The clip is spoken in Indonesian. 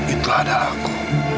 itu adalah aku